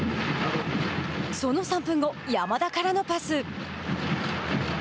その３分後、山田からのパス。